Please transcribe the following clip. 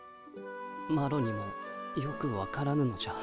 マロにもよくわからぬのじゃ。